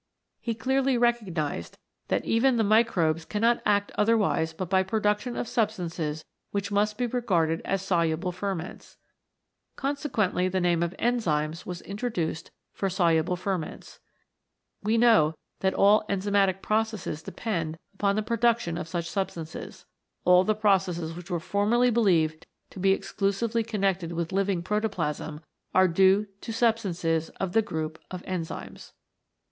He clearly recognised that even the 93 CHEMICAL PHENOMENA IN LIFE microbes cannot act otherwise but by production of substances which must be regarded as Soluble Ferments. Consequently the name of Enzymes was introduced for soluble ferments. We know that all enzymatic processes depend upon the production of such substances. All the processes which were formerly believed to be exclusively connected with living protoplasm are due to substances of the group of Enzymes.